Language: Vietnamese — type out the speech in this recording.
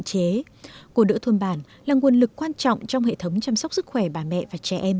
chế cô đỡ thôn bản là nguồn lực quan trọng trong hệ thống chăm sóc sức khỏe bà mẹ và trẻ em